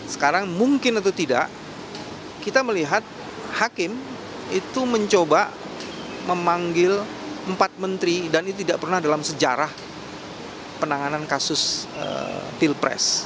sekarang mungkin atau tidak kita melihat hakim itu mencoba memanggil empat menteri dan itu tidak pernah dalam sejarah penanganan kasus pilpres